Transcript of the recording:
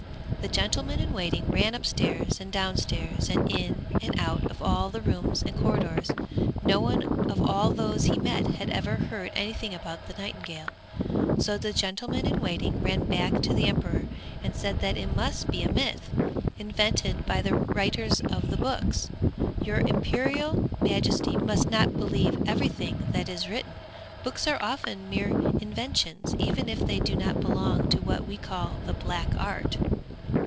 The gentleman in waiting ran upstairs and downstairs and in and out of all the rooms and corridors. No one of all those he met had ever heard anything about the nightingale; so the gentleman in waiting ran back to the emperor, and said that it must be a myth, invented by the writers of the books. 'Your imperial majesty must not believe everything that is written; books are often mere inventions, even if they do not belong to what we call the black art!'